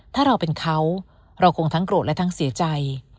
ถ้าเราเป็นเขาเราคงทั้งโกรธและทั้งเสียใจ